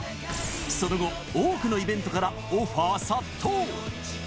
その後、多くのイベントからオファー殺到。